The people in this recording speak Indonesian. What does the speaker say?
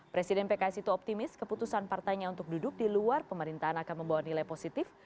presiden pks itu optimis keputusan partainya untuk duduk di luar pemerintahan akan membawa nilai positif